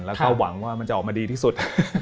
แล้วก็หวังว่ามันจะออกมาดีที่สุด